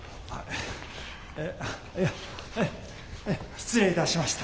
失礼いたしました。